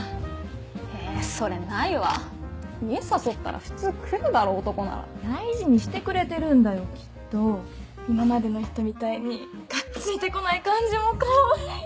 えそれないわ家誘ったら普通来るだろ男な大事にしてくれてるんだよきっと今までの人みたいにがっついてこない感じもかわいい！